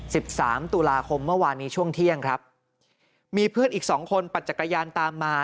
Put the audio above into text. สิบสามตุลาคมเมื่อวานนี้ช่วงเที่ยงครับมีเพื่อนอีกสองคนปั่นจักรยานตามมา